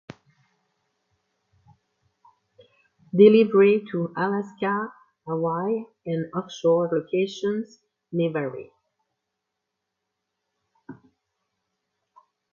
Delivery to Alaska, Hawaii, and offshore locations may vary.